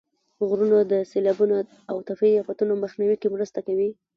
غرونه د سیلابونو او طبیعي افتونو مخنیوي کې مرسته کوي.